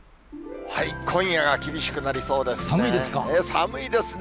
今夜が厳しくなりそうですね。